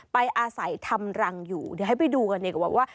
ไปอาศัยทำรังอยู่เดี๋ยวให้ไปดูกันดีกว่าว่า